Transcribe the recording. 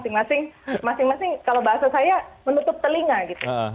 masing masing kalau bahasa saya menutup telinga gitu